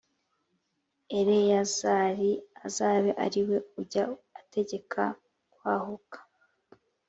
eleyazari azabe ari we ujya ategeka kwahuka